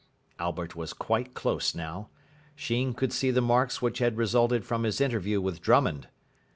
Albert was quite close now. Sheen could see the marks which had resulted from his interview with Drummond.